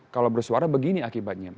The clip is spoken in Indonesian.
kalau bersuara begini akibatnya